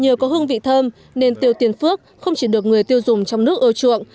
nhờ có hương vị thơm nên tiêu tiền phước không chỉ được người tiêu dùng trong nước ưa chuộng